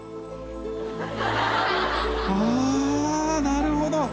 なるほど。